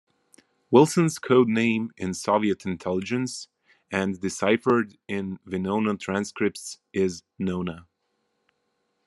Wilson's code name in Soviet intelligence and deciphered in the Venona transcripts is "Nona".